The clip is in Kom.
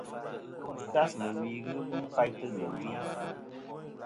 Màtlas mɨ̀ wì ghɨ lum faytɨ nɨ̀ wi.